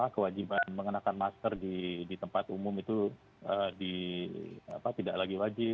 kewajiban mengenakan masker di tempat umum itu tidak lagi wajib